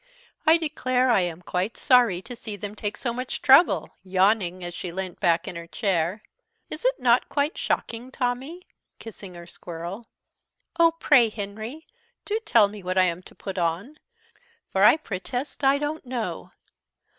"I declare I am quite sorry to see them take so much trouble," yawning as she leant back in her chair; "is it not quite shocking, Tommy? 'kissing her squirrel.' Oh! pray, Henry, do tell me what I am to put on; for I protest I don't know.